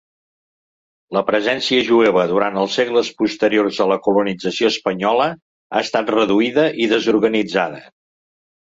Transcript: La presència jueva durant els segles posteriors a la colonització espanyola ha estat reduïda i desorganitzada.